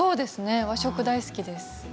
和食大好きです。